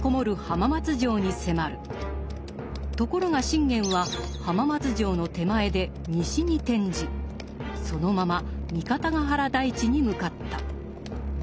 ところが信玄は浜松城の手前で西に転じそのまま三方ヶ原台地に向かった。